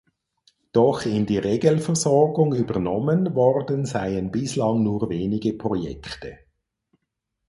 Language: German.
Doch in die Regelversorgung übernommen worden seien bislang nur wenige Projekte.